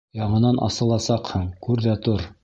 Яңынан асыласаҡһың, күр ҙә тор!